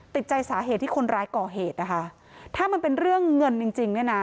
ติดใจสาเหตุที่คนร้ายก่อเหตุถ้ามันเป็นเรื่องเงินจริง